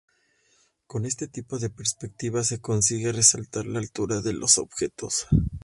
Con este tipo de perspectiva se consigue resaltar la altura de los objetos.